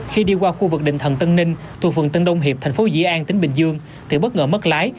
khi đi qua khu vực định thần tân ninh thuộc phường tân đông hiệp thành phố dĩ an tỉnh bình dương thì bất ngờ mất lái